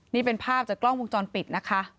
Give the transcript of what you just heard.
นี่เป็นภาพจากกล้องวงจรปิดนะคะ